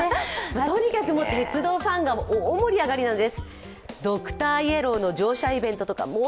とにかく鉄道ファンが大盛り上がりなんです。